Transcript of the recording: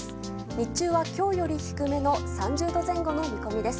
日中は今日より低めの３０度前後の見込みです。